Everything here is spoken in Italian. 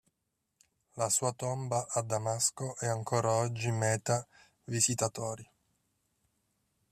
La sua tomba a Damasco è ancora oggi meta visitatori.